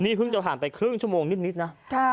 นี่เพิ่งจะผ่านไปครึ่งชั่วโมงนิดนะ